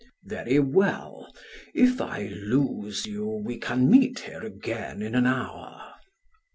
"Very well. If I lose you we can meet here again in an hour."